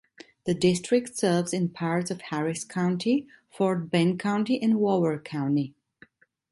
The district serves in parts of Harris County, Fort Bend County and Waller County.